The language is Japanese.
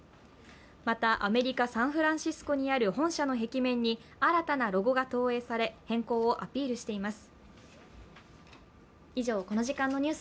また、アメリカ・サンフランシスコにある本社の壁面に新たなロゴが投影され変更をアピールしています。